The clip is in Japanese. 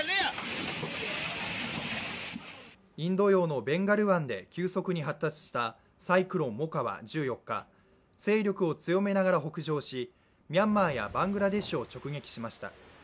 インド洋のベンガル湾で急速に発達したサイクロン・モカは１４日勢力を強めながら北上しミャンマーやバングラデシュを直撃しました。